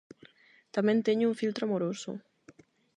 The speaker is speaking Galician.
-Tamén teño un filtro amoroso!